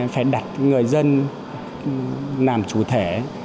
phải đặt người dân làm chủ thể